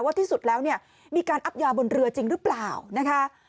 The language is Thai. ที่สุดแล้วเนี่ยมีการอับยาบนเรือจริงหรือเปล่านะคะ